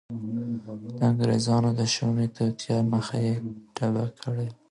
او د انګریزانو د شومی توطیه مخه یی ډبه کړی وه